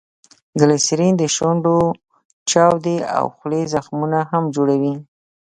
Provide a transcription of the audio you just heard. ګلیسرین دشونډو چاودي او دخولې زخمونه هم جوړوي.